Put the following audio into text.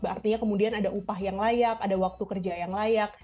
artinya kemudian ada upah yang layak ada waktu kerja yang layak